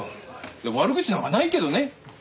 いや悪口なんかないけどね。